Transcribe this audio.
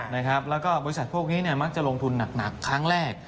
แล้วก็บริษัทพวกนี้มักจะลงทุนหนักครั้งแรก